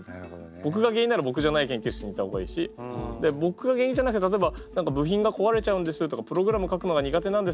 ぼくが原因ならぼくじゃない研究室に行った方がいいしぼくが原因じゃなきゃ例えば「部品がこわれちゃうんですよ」とか「プログラム書くのが苦手なんですよ」